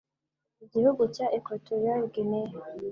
Igihugu cya Equatorial Guinea